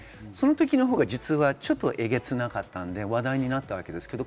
そのときのほうが実はえげつなかったので話題になったんです。